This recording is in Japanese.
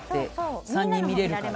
３人見れるから。